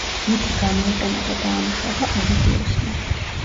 მითი გამოიყენა და დაამუშავა ოვიდიუსმა.